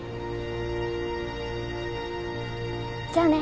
じゃあね。